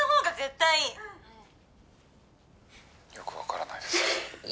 「よくわからないですけど」